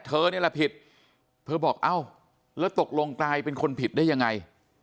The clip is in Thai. นี่แหละผิดเธอบอกเอ้าแล้วตกลงกลายเป็นคนผิดได้ยังไง